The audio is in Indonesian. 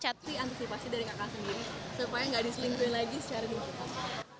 diantisipasi dari kakak sendiri supaya gak diselingkuhin lagi secara dihubung